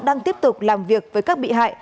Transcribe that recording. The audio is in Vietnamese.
đang tiếp tục làm việc với các bị hại